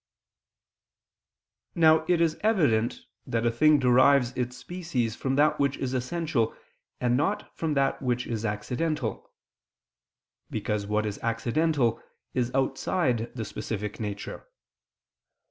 Now it is evident that a thing derives its species from that which is essential and not from that which is accidental: because what is accidental is outside the specific nature.